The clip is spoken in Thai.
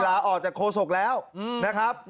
ลาออกจากโฆษกแล้วนะครับ